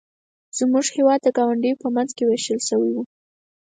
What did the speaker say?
زموږ هېواد د ګاونډیو په منځ کې ویشل شوی و.